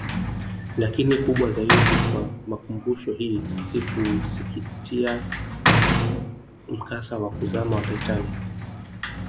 Lakini kubwa zaidi kwa makumbusho hii si kuusikitikia mkasa wa kuzama wa Titanic